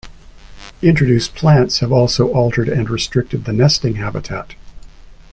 Introduced plants have also altered and restricted the nesting habitat.